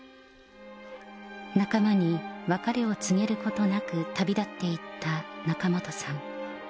仲間に別れを告げることなく、旅立っていった仲本さん。